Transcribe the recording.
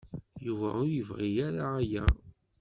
Yuba ur yebɣi ara aya.